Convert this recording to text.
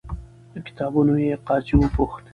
له کتابونو یې. قاضي وپوښت،